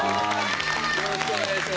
よろしくお願いします